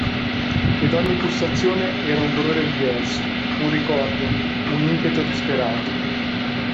Ed ogni pulsazione era un dolore diverso, un ricordo, un impeto disperato.